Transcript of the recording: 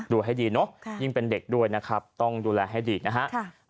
ดูให้ดีเนอะยิ่งเป็นเด็กด้วยนะครับต้องดูแลให้ดีนะครับ